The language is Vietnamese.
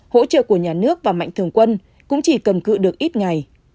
hỗ trợ của nhà nước và mạnh thường quân cũng chỉ cầm cự được ít ngày